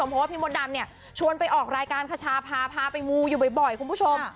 เพราะว่าพี่มดดำเนี่ยชวนไปออกรายการขชาพาพาไปมูอยู่บ่อยคุณผู้ชม